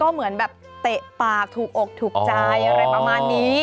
เหมือนแบบเตะปากถูกอกถูกใจอะไรประมาณนี้